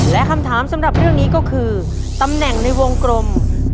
และคำถามสำหรับเรื่องนี้ก็คือตำแหน่งในวงกลม